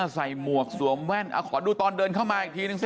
หมวกสวมแว่นขอดูตอนเดินเข้ามาอีกทีนึงสิ